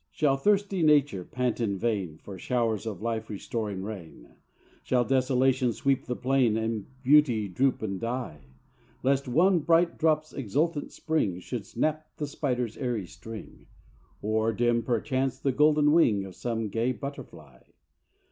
Shall thirsty nature pant in vain For showers of life restoring rain; Shall desolation sweep the plain And beauty droop and die; Lest one bright drop's exultant spring Should snap the spider's airy string, Or dim, perchance, the golden wing Of some gay butterfly?